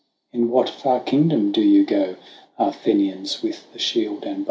In what far kingdom do you go, Ah, Fenians, with the shield and bow